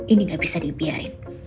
ini gak bisa dibiarin